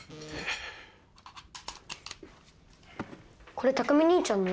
これ匠兄ちゃんの？